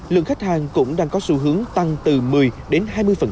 lượng khách hàng cũng đang có xu hướng tăng từ một mươi đến hai mươi